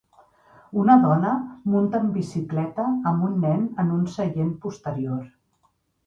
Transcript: Una dona munta en bicicleta amb un nen en un seient posterior.